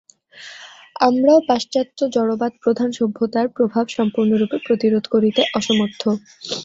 আমরাও পাশ্চাত্য জড়বাদপ্রধান সভ্যতার প্রভাব সম্পূর্ণরূপে প্রতিরোধ করিতে অসমর্থ।